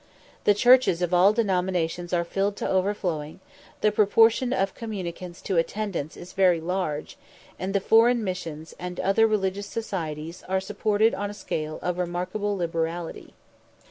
The churches of all denominations are filled to overflowing; the proportion of communicants to attendants is very large; and the foreign missions, and other religious societies, are supported on a scale of remarkable liberality.